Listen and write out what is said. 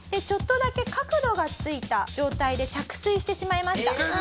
ちょっとだけ角度がついた状態で着水してしまいました。